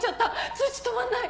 通知止まんない。